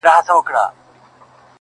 خو له سپي سره خاوند لوبي کولې!!